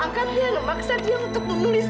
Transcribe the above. orang tua angkat dia maksa dia untuk menulis